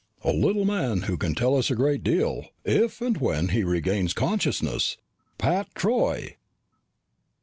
"A little man who can tell us a great deal if and when he regains consciousness! Pat Troy!"